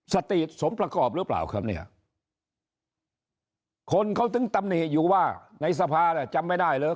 สติสมประกอบหรือเปล่าครับเนี่ยคนเขาถึงตำหนิอยู่ว่าในสภาน่ะจำไม่ได้เลย